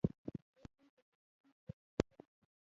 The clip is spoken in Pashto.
آیا دوی په بورسونو درس نه وايي؟